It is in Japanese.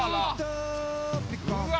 うわ！